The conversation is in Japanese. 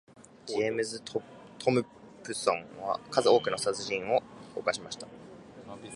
ジェームズトムプソンは数多くの殺人を犯しました。